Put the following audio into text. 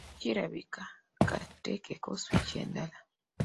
Kirabika ka nteekeko switch endala.